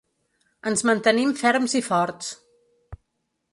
Ens mantenim ferms i forts.